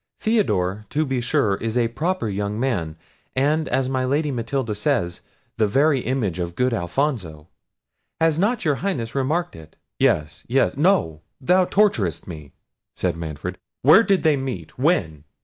Theodore, to be sure, is a proper young man, and, as my Lady Matilda says, the very image of good Alfonso. Has not your Highness remarked it?" "Yes, yes,—No—thou torturest me," said Manfred. "Where did they meet? when?"